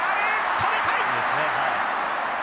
止めたい！